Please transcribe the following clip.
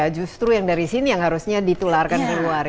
justru yang dari sini yang harusnya ditularkan ke luar